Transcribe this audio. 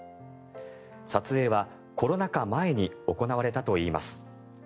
撮影はコロナ禍前に行われたといいます。